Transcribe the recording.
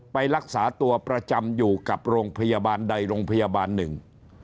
ไปรักษาตัวประจำอยู่กับโรงพยาบาลใดโรงพยาบาลหนึ่ง